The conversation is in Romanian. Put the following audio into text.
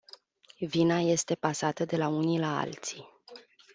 Vina este pasată de la unii la alții.